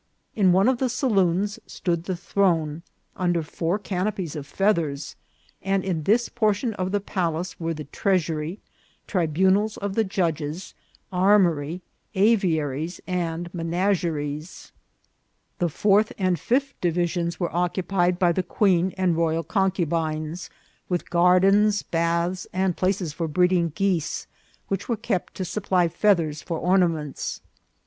In one of the saloons stood the throne, under four canopies of feathers ; and in this portion of the pal ace were the treasury, tribunals of the judges, armory, aviaries, and menageries. The fourth and fifth divis ions were occupied by the queen and royal concubines, with gardensv baths, and places for breeding geese, which were kept to supply feathers for ornaments.